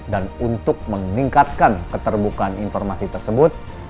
dan untuk meningkatkan keterbukaan informasi tersebut